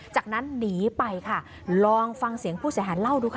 จากนั้นหนีไปค่ะลองฟังเสียงผู้เสียหายเล่าดูค่ะ